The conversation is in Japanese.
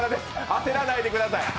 焦らないでください。